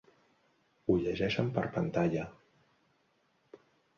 Ho llegeixen per pantalla.